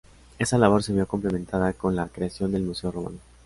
Esa labor se vio complementada con la creación del Museo Romano.